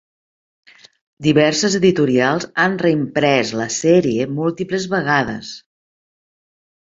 Diverses editorials han reimprès la sèrie múltiples vegades.